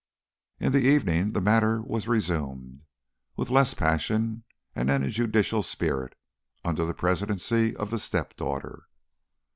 In the evening the matter was resumed, with less passion and in a judicial spirit, under the presidency of the step daughter.